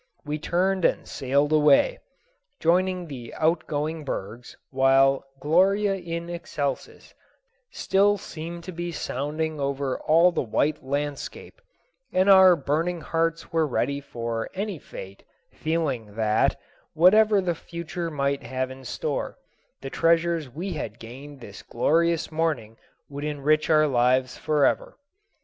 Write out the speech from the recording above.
We turned and sailed away, joining the outgoing bergs, while "Gloria in excelsis" still seemed to be sounding over all the white landscape, and our burning hearts were ready for any fate, feeling that, whatever the future might have in store, the treasures we had gained this glorious morning would enrich our lives forever.